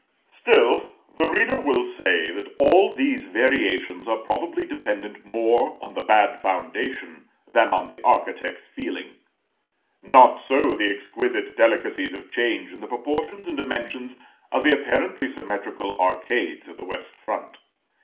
Still, the reader will say that all these variations are probably dependent more on the bad foundation than on the architect's feeling. Not so the exquisite delicacies of change in the proportions and dimensions of the apparently symmetrical arcades of the west front.